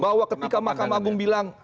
bahwa ketika mahkamah agung bilang